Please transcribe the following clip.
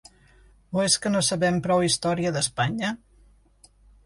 O és que no sabem prou història d'Espanya?